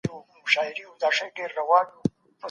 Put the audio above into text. ملګري مي وویل چي نن هوا ډېره ښه ده.